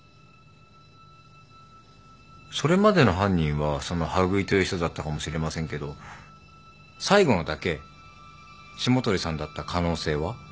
それまでの犯人はその羽喰という人だったかもしれませんけど最後のだけ霜鳥さんだった可能性は？